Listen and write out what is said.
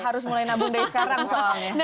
harus mulai nabung dari sekarang soalnya